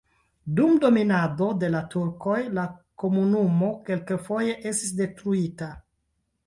Dum dominado de la turkoj la komunumo kelkfoje estis detruita.